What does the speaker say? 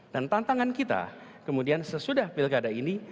dan tantangan kita kemudian sesudah bilkada ini